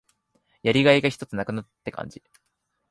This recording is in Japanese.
やりがいがひとつ無くなったって感じ。